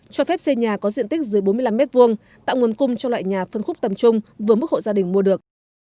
cho phép xây nhà có diện tích dưới bốn mươi năm m hai tạo nguồn cung cho loại nhà phân khúc tầm trung vừa mức hộ gia đình mua được